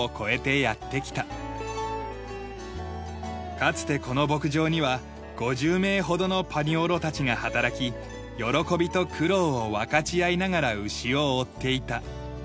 かつてこの牧場には５０名ほどのパニオロたちが働き喜びと苦労を分かち合いながら牛を追っていた。